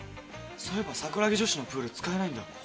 そういえば桜木女子のプール使えないんだ。